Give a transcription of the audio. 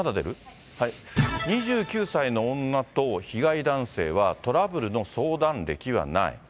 ２９歳の女と被害男性は、トラブルの相談歴はない。